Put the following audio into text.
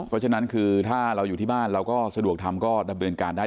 เพราะฉะนั้นคือถ้าเราอยู่ที่บ้านเราก็สะดวกทำก็ดำเนินการได้